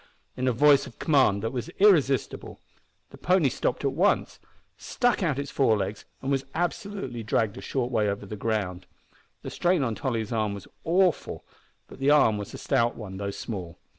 in a voice of command that was irresistible. The pony stopped at once, stuck out its fore legs, and was absolutely dragged a short way over the ground. The strain on Tolly's arm was awful, but the arm was a stout one, though small.